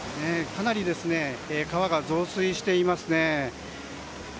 かなり川が増水していますね。